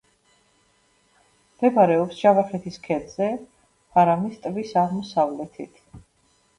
მდებარეობს ჯავახეთის ქედზე, ფარავნის ტბის აღმოსავლეთით.